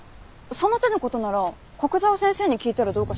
その手の事なら古久沢先生に聞いたらどうかしら。